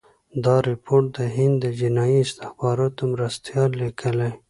دا رپوټ د هند د جنايي استخباراتو مرستیال لیکلی.